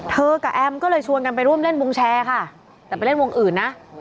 กับแอมก็เลยชวนกันไปร่วมเล่นวงแชร์ค่ะแต่ไปเล่นวงอื่นนะ